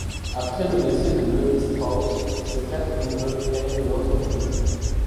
Après le décès de Levi Strauss, ses quatre neveux héritent de l'entreprise.